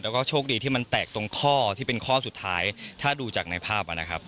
แล้วก็โชคดีที่มันแตกตรงข้อที่เป็นข้อสุดท้ายถ้าดูจากในภาพอ่ะนะครับ